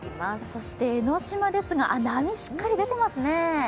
そして江の島ですが、波、しっかり出てますね。